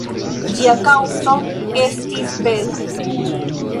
Ĝia kaŭzo estis bela.